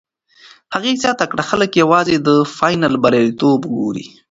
هغې زیاته کړه، خلک یوازې د فاینل بریالیتوب ګوري.